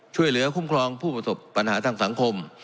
ช่วยเหลือคุ้มครองผู้ประสบปัญหาทางสังคม